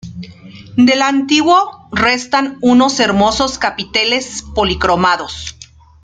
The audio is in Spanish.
Del antiguo restan unos hermosos capiteles policromados.